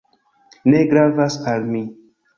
Ne gravas al mi."